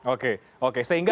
oke oke sehingga